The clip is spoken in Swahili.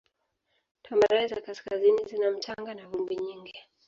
Tambarare za kaskazini zina mchanga na vumbi nyingi.